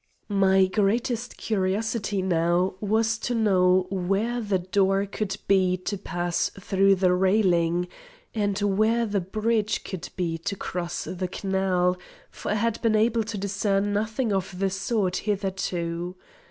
My greatest curiosity now was to know where the door could be to pass through the railing, and where the bridge could be to cross the canal, for I had been able to discern nothing of the sort hitherto.